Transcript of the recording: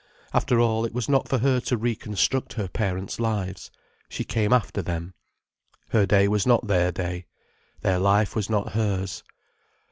After all, it was not for her to reconstruct her parents' lives. She came after them. Her day was not their day, their life was not hers.